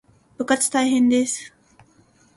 部活大変です